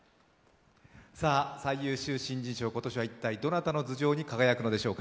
最優秀新人賞、今年は一体どなたの頭上に輝くのでしょうか。